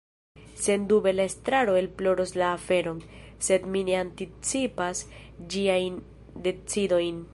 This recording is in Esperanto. Sendube la Estraro esploros la aferon, sed mi ne anticipas ĝiajn decidojn.